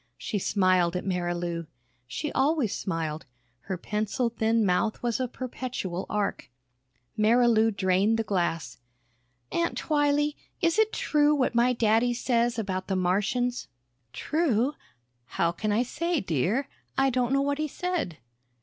She smiled at Marilou. She always smiled; her pencil thin mouth was a perpetual arc. Marilou drained the glass. "Aunt Twylee is it true what my daddy says about the Martians?" "True? How can I say, dear? I don't know what he said."